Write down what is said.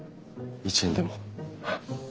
一円でも！？